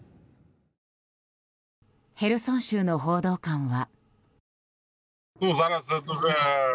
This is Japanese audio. ヘルソン州の報道官は。